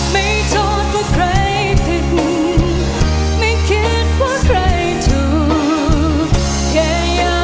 ไม่โทษกับใครผิดหนึ่ง